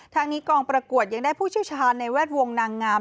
ทางนี้กองประกวดยังได้ผู้เชี่ยวชาญในแวดวงนางงาม